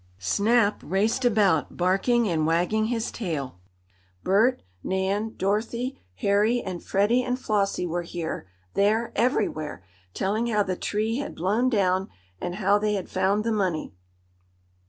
Snap raced about, barking and wagging his tail. Bert, Nan, Dorothy, Harry and Freddie and Flossie were here, there, everywhere, telling how the tree had blown down, and how they had found the money.